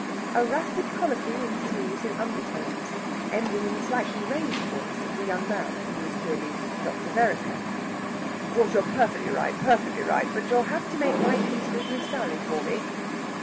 A rapid colloquy ensues in undertones, ending in the slightly raised voice of the young man, who is clearly Dr. Vereker. "Of course, you're perfectly right perfectly right. But you'll have to make my peace with Miss Sally for me."